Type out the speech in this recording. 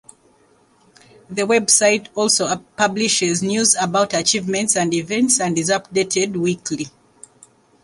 The website also publishes news about achievements and events and is updated weekly.